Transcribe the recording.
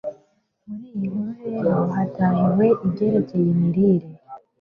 Muri iyi nkuru rero hatahiwe ibyerekeye imirire.